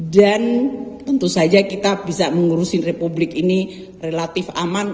dan tentu saja kita bisa mengurusin republik ini relatif aman